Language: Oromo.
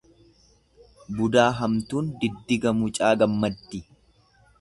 Budaa hamtuun diddiga mucaa gammaddi.